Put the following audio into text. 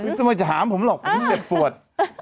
มันไม่ต้องมาถามผมหรอกเพราะมันเด็ดปวด